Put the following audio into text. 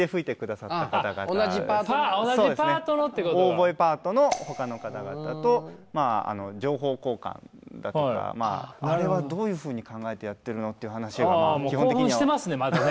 オーボエパートのほかの方々と情報交換だとかあれはどういうふうに考えてやってるのっていう話が基本的には。